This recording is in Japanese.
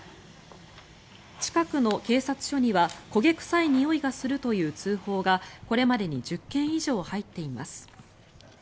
近くの警察署には焦げ臭いにおいがするという通報がこれまでに１０件以上入っています。